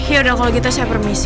yaudah kalau gitu saya permisi